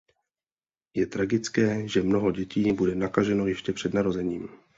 Je tragické, že mnoho dětí bude nakaženo ještě před narozením.